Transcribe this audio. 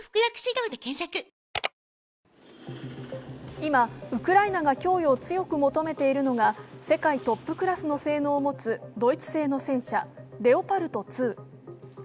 今、ウクライナが供与を強く求めているのが世界トップクラスの性能を持つドイツ製の戦車・レオパルト２。